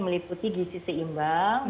meliputi gizi seimbang